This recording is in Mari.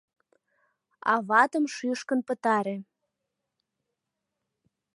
Аватым шӱшкын пытаре!..